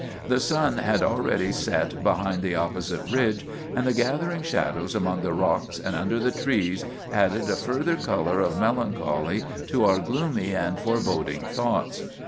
The sun had already set behind the opposite ridge, and the gathering shadows among the rocks and under the trees added a further color of melancholy to our gloomy and foreboding thoughts.